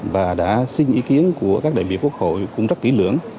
và đã xin ý kiến của các đại biểu quốc hội cũng rất kỹ lưỡng